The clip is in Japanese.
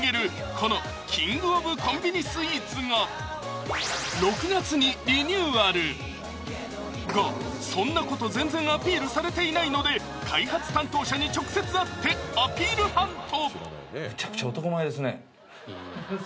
このキングオブコンビニスイーツががそんなこと全然アピールされていないので開発担当者に直接会ってアピールハント！